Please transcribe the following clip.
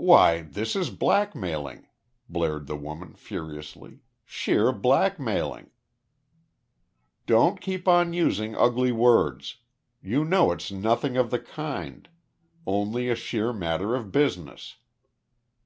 "Why, this is blackmailing," blared the woman furiously. "Sheer blackmailing." "Don't keep on using ugly words. You know it's nothing of the kind only a sheer matter of business."